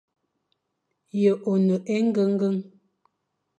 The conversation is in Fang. Ye one engengen?